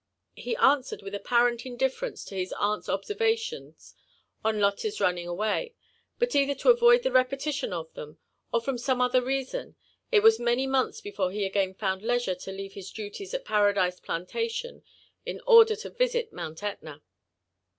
He answered with apparent f ndifference to his aunt's observations on Lotte's running away ; but either to avoid the repetition of them, or from some other reason, it was many months before he again found leisure to leave his duties at Paradise Plantatioti in order to visit Mount Etna.